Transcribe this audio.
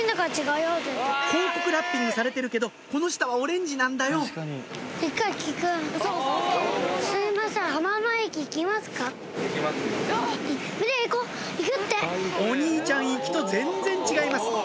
広告ラッピングされてるけどこの下はオレンジなんだよお兄ちゃん行きと全然違います